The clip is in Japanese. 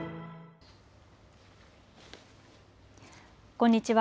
こんにちは。